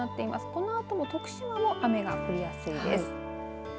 このあとも徳島も雨が降りやすいです。